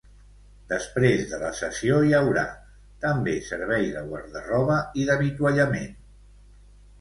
Després de la sessió, hi haurà també servei de guarda-roba i d'avituallament.